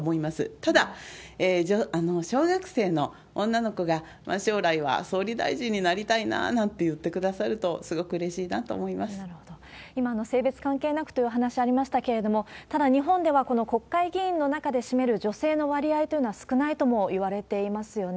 ただ、小学生の女の子が将来は総理大臣になりたいななんて言ってくださ今の性別関係なくというお話ありましたけれども、ただ、日本ではこの国会議員の中で占める女性の割合というのは少ないともいわれていますよね。